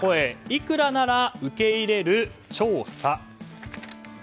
いくらなら受け入れる？調査。